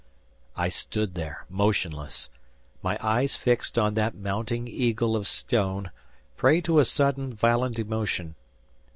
I stood there, motionless; my eyes fixed on that mounting eagle of stone, prey to a sudden, violent emotion.